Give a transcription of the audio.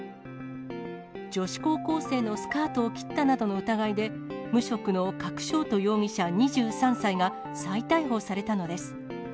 女子高校生のスカートを切ったなどの疑いで、無職の加久翔人容疑者２３歳が再逮捕されたのです。